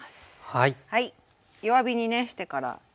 はい。